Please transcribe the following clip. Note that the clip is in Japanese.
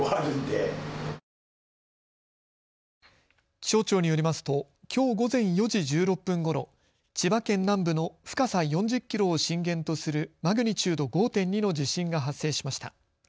気象庁によりますときょう午前４時１６分ごろ、千葉県南部の深さ４０キロを震源とするマグニチュード５．２の地震が発生しました。